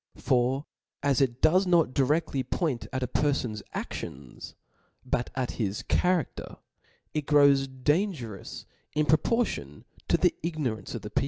For as it does not diredlly point at a per fan*s anions, but at his charafter, it grows dan gerous in proportion to the ignorance of the peo 8 plc} 1 OP L A W fe.